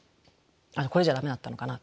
これじゃダメだったのかな。